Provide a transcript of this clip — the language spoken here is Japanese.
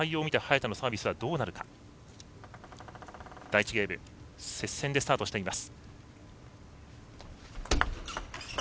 第１ゲーム接戦でスタートしています。